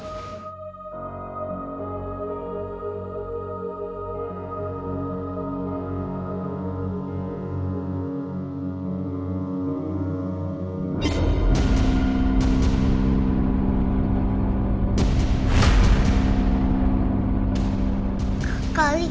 vai " kak luffy